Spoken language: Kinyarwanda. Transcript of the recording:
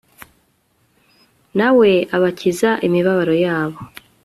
na we abakiza imibabaro yabo